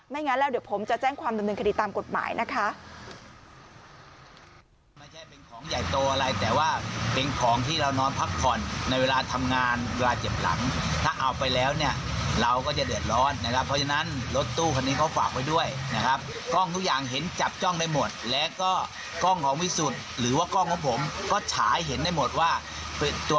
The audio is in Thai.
งั้นแล้วเดี๋ยวผมจะแจ้งความดำเนินคดีตามกฎหมายนะคะ